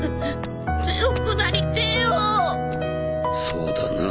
そうだな。